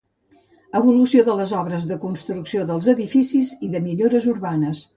Evolució de les obres de construcció dels edificis i de millores urbanes.